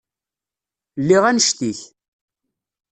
Lliɣ annect-ik.